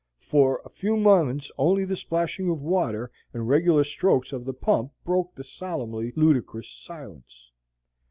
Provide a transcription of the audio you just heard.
For a few moments only the splashing of water and regular strokes of the pump broke the solemnly ludicrous silence.